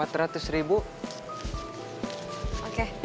oke neng terima kasih